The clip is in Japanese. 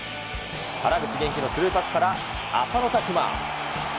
原口元気のスルーパスから浅野琢磨。